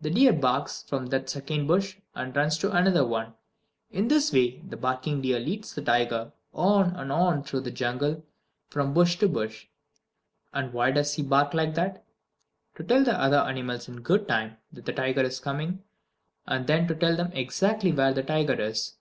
The deer barks from that second bush and runs to another one. In this way the barking deer leads the tiger on and on through the jungle from bush to bush. And why does he bark like that? To tell the other animals in good time that the tiger is coming, and then to tell them exactly where the tiger is.